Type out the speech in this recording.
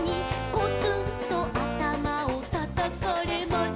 「コツンとあたまをたたかれます」